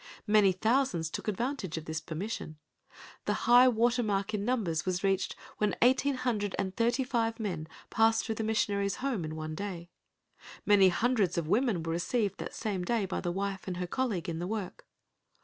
Many thousands took advantage of this permission. The high water mark in numbers was reached when eighteen hundred and thirty five men passed through the missionary's home in one day. Many hundreds of women were received that same day by the wife and her colleague in the work.